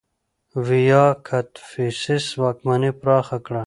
ویما کدفیسس واکمني پراخه کړه